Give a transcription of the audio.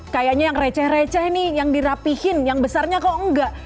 kayaknya yang receh receh nih yang dirapihin yang besarnya kok enggak